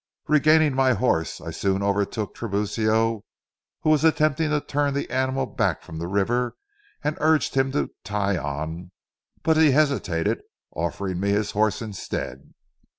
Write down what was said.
Regaining my horse, I soon overtook Tiburcio, who was attempting to turn the animal back from the river, and urged him to "tie on," but he hesitated, offering me his horse instead.